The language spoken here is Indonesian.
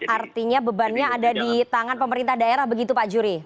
artinya bebannya ada di tangan pemerintah daerah begitu pak juri